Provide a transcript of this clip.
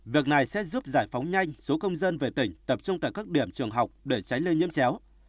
việc này sẽ giúp giải phóng nhanh số công dân về tỉnh tập trung tại các điểm trường học để tránh lây nhiễm chéo